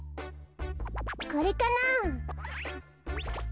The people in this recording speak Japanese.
これかなあ？